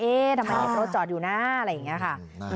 ทำไมรถจอดอยู่นะอะไรอย่างนี้ค่ะ